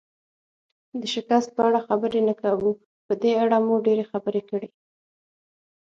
د شکست په اړه خبرې نه کوو، په دې اړه مو ډېرې خبرې کړي.